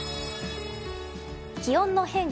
気温の変化